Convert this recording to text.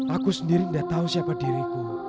aku sendiri tidak tahu siapa diriku